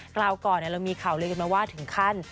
คราวก่อนเรามีข่าวเลยมาว่าถึงขั้น